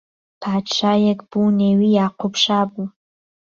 پادشایهک بوو نێوی ياقوب شا بوو